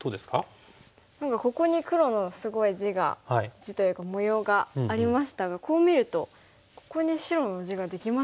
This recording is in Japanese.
何かここに黒のすごい地が地というか模様がありましたがこう見るとここに白の地ができましたね。